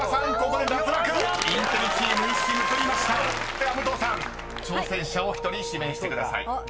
［では武藤さん挑戦者を１人指名してください］